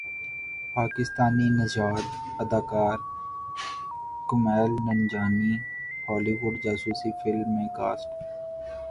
پاکستانی نژاد اداکار Kumail Nanjiani Hollywood جاسوسی فلم میں کاسٹ